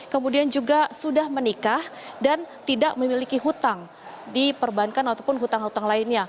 kemudian juga sudah menikah dan tidak memiliki hutang di perbankan ataupun hutang hutang lainnya